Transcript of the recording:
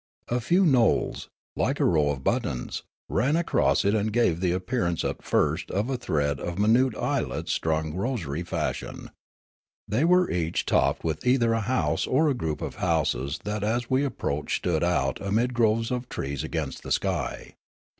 A few knolls, like a row of buttons, ran across it and gave it the appear ance at first of a thread of minute islets strung rosary fashion. They were each topped with either a house or a group of houses that as we approached stood out amid groves of trees against the sky.